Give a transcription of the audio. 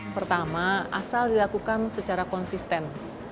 pertama asal dilakukan secara konsisten